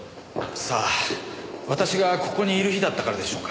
さあ私がここにいる日だったからでしょうか。